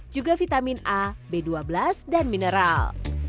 juga vitamin a b dua belas dan mineral